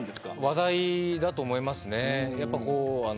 話題だと思いますね。